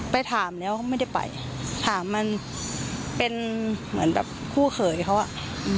ไปถามแล้วเขาไม่ได้ไปถามมันเป็นเหมือนแบบคู่เขยเขาอ่ะอืม